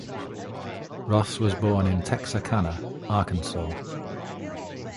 Ross was born in Texarkana, Arkansas.